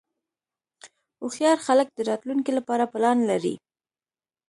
هوښیار خلک د راتلونکې لپاره پلان لري.